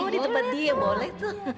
di tempat dia boleh tuh